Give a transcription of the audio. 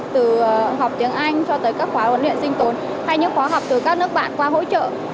từ học tiếng anh cho tới các khóa huấn luyện sinh tồn hay những khóa học từ các nước bạn qua hỗ trợ